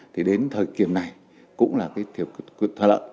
thì đến thời kiểm này cũng là cái thiệu thuận lợi